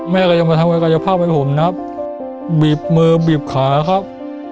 แม่ก็ยังมาทำงานกายภาพให้ผมนะครับบีบมือบีบขาครับ